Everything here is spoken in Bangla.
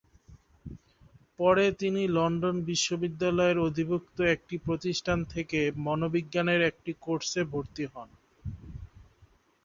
পরে তিনি লন্ডন বিশ্ববিদ্যালয়ের অধিভুক্ত একটি প্রতিষ্ঠান থেকে মনোবিজ্ঞানের একটি কোর্সে ভর্তি হন।